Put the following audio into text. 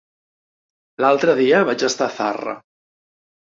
L'altre dia vaig estar a Zarra.